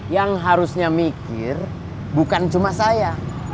yang harusnya mikir bukan cuma saya